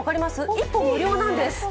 １本無料なんです。